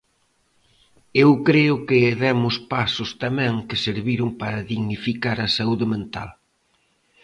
Eu creo que demos pasos tamén que serviron para dignificar a saúde mental.